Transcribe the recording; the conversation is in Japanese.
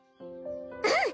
うん！